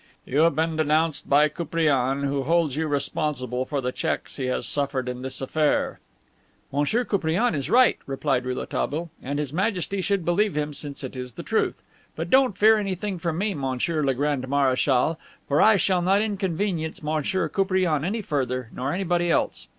"You have been denounced by Koupriane, who holds you responsible for the checks he has suffered in this affair." "Monsieur Koupriane is right," replied Rouletabille, "and His Majesty should believe him, since it is the truth. But don't fear anything from me, Monsieur le Grand Marechal, for I shall not inconvenience Monsieur Koupriane any further, nor anybody else.